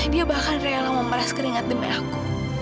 dia bahkan rela memeras keringat demi aku